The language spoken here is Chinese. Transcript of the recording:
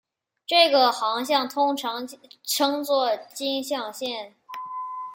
这个航向通常称作径向线。